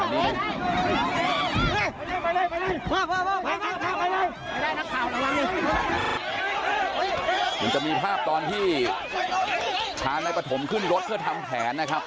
มันจะมีภาพตอนที่พานายปฐมขึ้นรถเพื่อทำแผนนะครับ